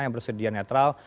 yang bersedia netral